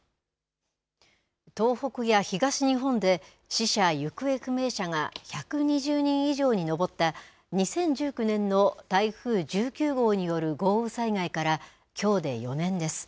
東北や東日本で死者・行方不明者が１２０人以上に上った２０１９年の台風１９号による豪雨災害からきょうで４年です。